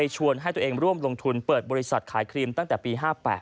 ชวนให้ตัวเองร่วมลงทุนเปิดบริษัทขายครีมตั้งแต่ปี๕๘